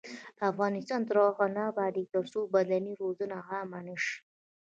افغانستان تر هغو نه ابادیږي، ترڅو بدني روزنه عامه نشي.